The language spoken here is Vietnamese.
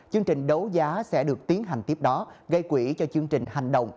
chương trình đấu giá sẽ được tiến hành tiếp đó gây quỹ cho chương trình hành động